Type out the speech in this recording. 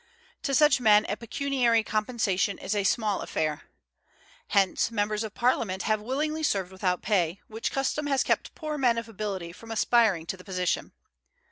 To such men a pecuniary compensation is a small affair. Hence, members of Parliament have willingly served without pay, which custom has kept poor men of ability from aspiring to the position.